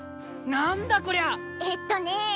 何だこりゃ⁉えっとね。